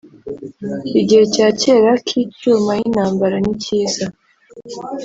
Igihe cya kera k icyuma yintambara nikiza